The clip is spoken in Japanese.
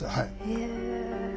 へえ。